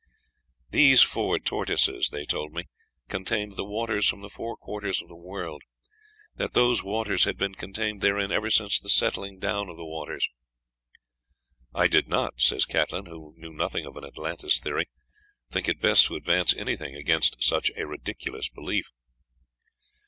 "These four tortoises," they told me, "contained the waters from the four quarters of the world that those waters had been contained therein ever since the settling down of the waters," "I did not," says Catlin, who knew nothing of an Atlantis theory, "think it best to advance anything against such a ridiculous belief."